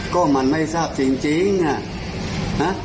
ก็มันไม่ทราบจริงจริงฮะฮะ